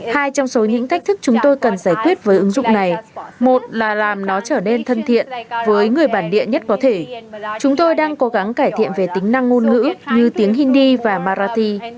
hai trong số những thách thức chúng tôi cần giải quyết với ứng dụng này một là làm nó trở nên thân thiện với người bản địa nhất có thể chúng tôi đang cố gắng cải thiện về tính năng ngôn ngữ như tiếng hindi và marathi